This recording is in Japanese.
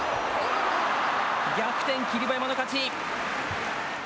逆転、霧馬山の勝ち。